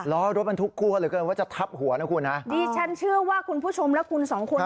ล้อรถบรรทุกคั่วเหลือเกินว่าจะทับหัวนะคุณฮะดิฉันเชื่อว่าคุณผู้ชมและคุณสองคน